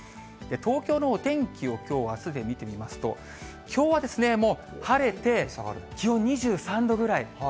東京のお天気をきょう、あすで見てみますと、きょうはもう晴れて気温２３度ぐらい。